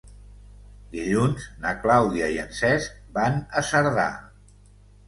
Dilluns na Clàudia i en Cesc van a Cerdà.